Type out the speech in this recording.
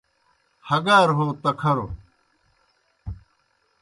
ہگار ہو تکھروْ